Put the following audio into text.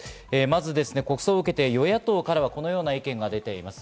まず国葬を受けて与野党からはこのような意見が出ています。